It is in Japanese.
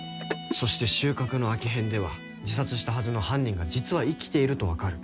そして『収穫の秋編』では自殺したはずの犯人が実は生きていると分かる。